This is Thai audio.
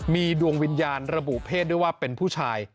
มีดวงวิญญาณระบุเพศด้วยว่าเป็นผู้ชาย